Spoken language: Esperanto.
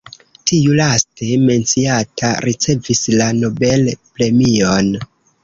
Tiu laste menciata ricevis la Nobel Premion.